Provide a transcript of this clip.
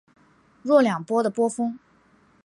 若两波的波峰。